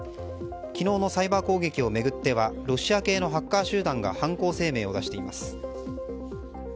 昨日のサイバー攻撃を巡ってはロシア系のハッカー集団が犯行声明を出しています。